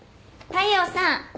大陽さん。